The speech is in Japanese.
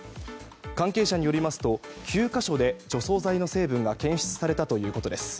関係者によりますと９か所で除草剤の成分が検出されたということです。